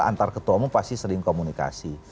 antar ketua umum pasti sering komunikasi